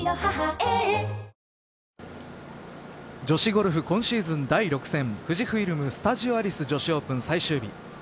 女子ゴルフ今シーズン第６戦富士フイルム・スタジオアリス女子オープン最終日。